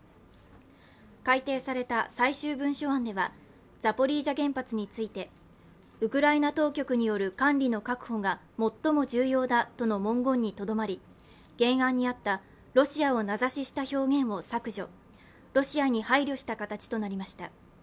改定された最終文書案ではザポリージャ原発についてウクライナ当局による管理の確保が最も重要だとの文言にとどまり原案にあったロシアを名指しした表現を削除、ロシアに配慮した形となりました。